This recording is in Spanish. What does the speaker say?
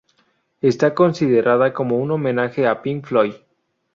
Está considerada como un homenaje a Pink Floyd.